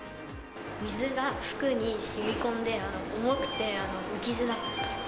水が服にしみこんで、重くて、浮きづらかった。